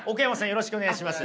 よろしくお願いします。